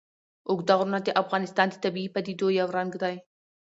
اوږده غرونه د افغانستان د طبیعي پدیدو یو رنګ دی.